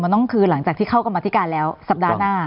มันต้องคืนหลังจากที่เข้ากรรมธิการแล้วสัปดาห์หน้า